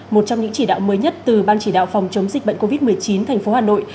một trong những chỉ đạo mới nhất từ ban chỉ đạo phòng chống dịch bệnh covid một mươi chín thành phố hà nội